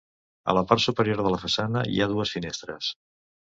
A la part superior de la façana hi ha dues finestres.